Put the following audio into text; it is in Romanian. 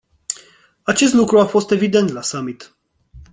Acest lucru a fost evident la summit.